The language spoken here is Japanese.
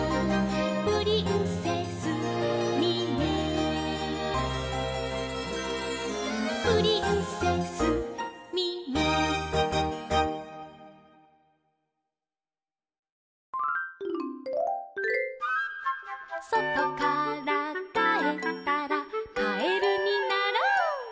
「プリンセスミミィ」「プリンセスミミィ」「そとからかえったらカエルになろう」